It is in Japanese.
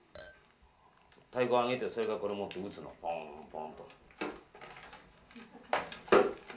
太鼓上げてそれからこれ持って打つのポンポンと。